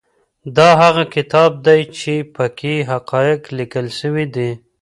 دا هغه کتاب دی چي په کي حقایق لیکل سوي دي.